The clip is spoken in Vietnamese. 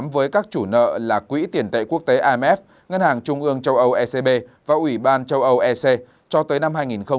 với các chủ nợ là quỹ tiền tệ quốc tế imf ngân hàng trung ương châu âu ecb và ủy ban châu âu ec cho tới năm hai nghìn hai mươi